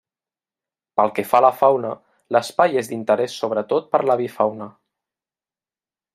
Pel que fa a la fauna, l'espai és d'interès sobretot per l'avifauna.